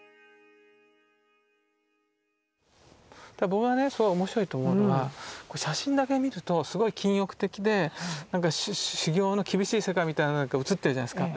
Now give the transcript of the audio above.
僕はねすごい面白いと思うのは写真だけ見るとすごい禁欲的で修行の厳しい世界みたいなのが写ってるじゃないですか。